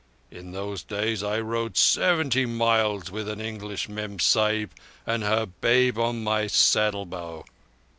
In those days I rode seventy miles with an English Memsahib and her babe on my saddle bow.